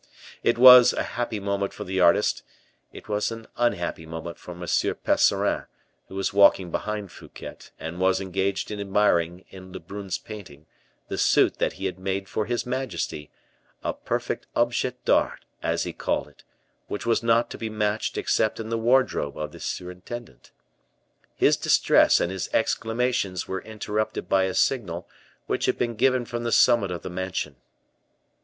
It was a happy moment for the artist; it was an unhappy moment for M. Percerin, who was walking behind Fouquet, and was engaged in admiring, in Lebrun's painting, the suit that he had made for his majesty, a perfect objet d'art, as he called it, which was not to be matched except in the wardrobe of the surintendant. His distress and his exclamations were interrupted by a signal which had been given from the summit of the mansion.